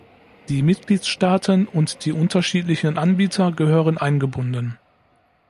Die Mitgliedstaaten und die unterschiedlichen Anbieter gehören eingebunden.